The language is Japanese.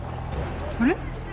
あれ？